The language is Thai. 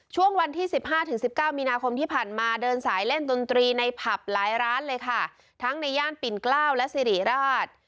ช่วงวันที่สิบห้าถึงสิบเก้ามีนาคมที่ผ่านมาเดินสายเล่นดนตรีในผับหลายร้านเลยค่ะทั้งในย่านปิ่นเกล้าวและสิริราช